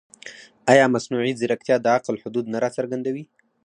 ایا مصنوعي ځیرکتیا د عقل حدود نه راڅرګندوي؟